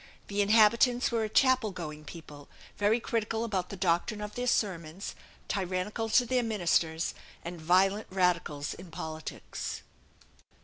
The inhabitants were a chapel going people, very critical about the doctrine of their sermons, tyrannical to their ministers, and violent Radicals in politics.